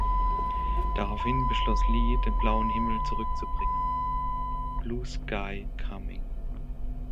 Daraufhin beschloss Li den Blauen Himmel zurückzubringen (Blue Sky Coming).